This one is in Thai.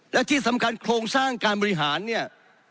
และที่สำคัญโครงสร้างการบริหารเนี่ย